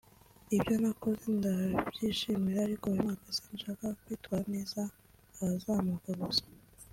Ibyo nakoze ndabyishimira ariko uyu mwaka sinshaka kwitwara neza ahazamuka gusa